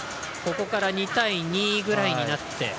ここから２対２くらいになって。